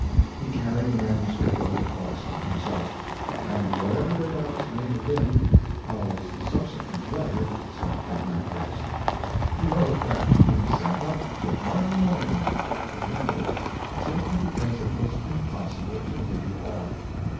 He carried the manuscript over to Boston himself, and whatever their doubts may have been, Howells's subsequent letter set them at rest. He wrote that he had sat up till one in the morning to get to the end of it, simply because it was impossible to leave off.